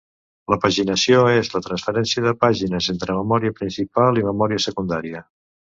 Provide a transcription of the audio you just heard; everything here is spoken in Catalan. La paginació és la transferència de pàgines entre memòria principal i memòria secundària.